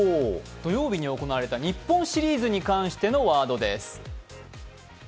土曜日に行われた日本シリーズに関してのワードです。